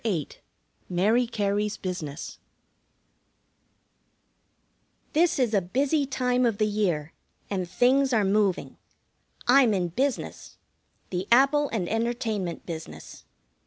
VIII MARY CARY'S BUSINESS This is a busy time of the year, and things are moving. I'm in business. The Apple and Entertainment business.